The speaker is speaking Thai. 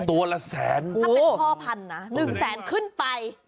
ตัวละแสนโอ้โหถ้าเป็นพ่อพันนะหนึ่งแสนขึ้นไป